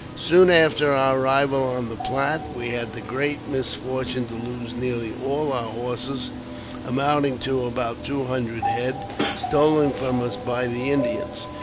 Soon after our arrival on the Platte we had the great misfortune to lose nearly all our horses, amounting to about two hundred head, stolen from us by the Indians.